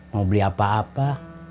mau beli apa apa